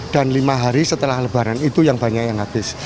dan lima hari setelah lebaran itu yang banyak yang habis